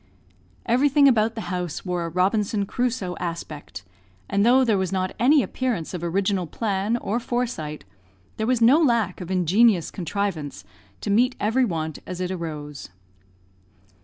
Everything about the house wore a Robinson Crusoe aspect, and though there was not any appearance of original plan or foresight, there was no lack of ingenious contrivance to meet every want as it arose.